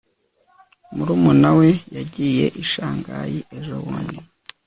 murumuna we yagiye i shanghai ejobundi